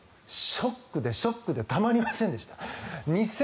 ショックでショックでたまりませんでした。